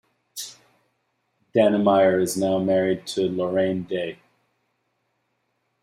Dannemeyer is now married to Lorraine Day.